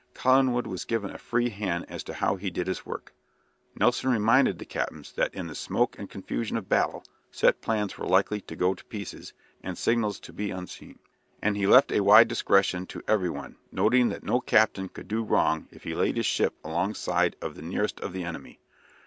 Collingwood was given a free hand as to how he did his work. Nelson reminded the captains that in the smoke and confusion of battle set plans were likely to go to pieces, and signals to be unseen, and he left a wide discretion to every one, noting that no captain could do wrong if he laid his ship alongside of the nearest of the enemy.